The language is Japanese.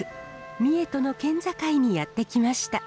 三重との県境にやって来ました。